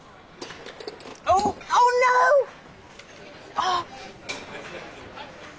あっ！